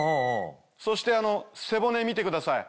そして背骨見てください。